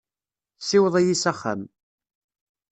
Ssiweḍ-iyi s axxam.